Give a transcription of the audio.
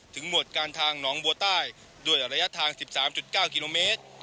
ถึงหวดการทางหนองบัวใต้ด้วยระยะทางสิบสามจุดเก้ากิโลเมตร